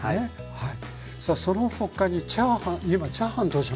はい。